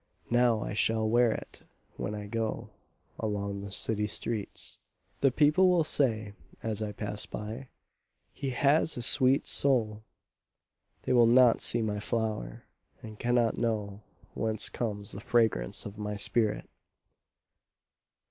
Now I shall wear itWhen I goAlong the city streets:The people will sayAs I pass by—"He has a sweet soul!"They will not see my flower, And cannot knowWhence comes the fragrance of my spirit!